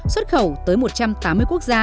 xuất khẩu tới một trăm tám mươi quốc gia